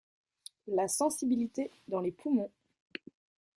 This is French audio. La sensibilité dans les poumons.